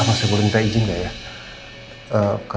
apa saya boleh minta izin gak ya